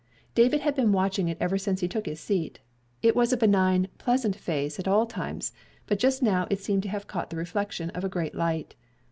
David had been watching it ever since he took his seat. It was a benign, pleasant face at all times, but just now it seemed to have caught the reflection of a great light.